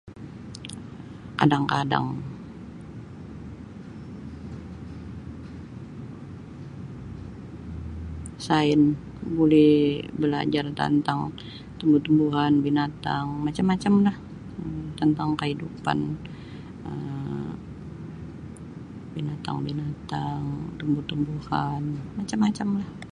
Kadang-kadang sain buli balajar tantang tumbu-umbuhan bianatang macam-macamlah um tantang kaidupan um binatang-binatang tumbu-tumbuhan macam-macamlah.